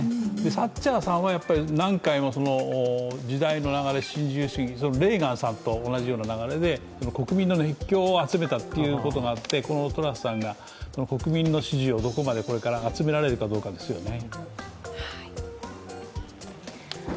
サッチャーさんは何回も時代の流れ、新自由主義、レーガンさんと同じような流れで国民の熱狂を集めたということがあって、このトラスさんが国民の支持をどこまでこれから集められるかどうかですよね。